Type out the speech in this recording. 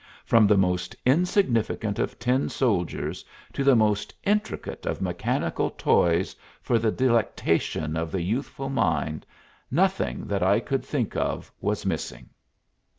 From the most insignificant of tin soldiers to the most intricate of mechanical toys for the delectation of the youthful mind, nothing that I could think of was missing.